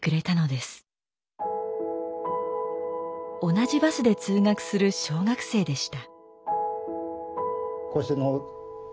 同じバスで通学する小学生でした。